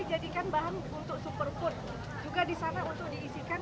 juga di sana untuk diisikan ke dalam kapsul